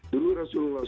dulu rasulullah saw